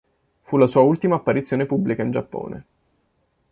Fu la sua ultima apparizione pubblica in Giappone.